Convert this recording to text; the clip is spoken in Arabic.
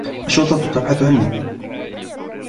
الشرطة تبحث عنّي.